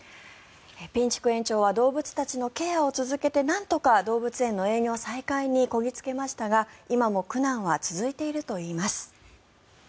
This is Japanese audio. ピンチュク園長は動物たちのケアを続けてなんとか動物園の営業再開にこぎ着けましたが今も苦難は続いているといいます。